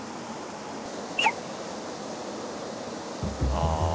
ああ